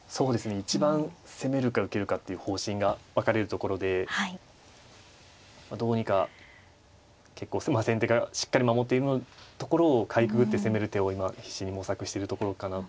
一番攻めるか受けるかっていう方針が分かれるところでどうにか結構先手がしっかり守っているところをかいくぐって攻める手を今必死に模索してるところかなと思います。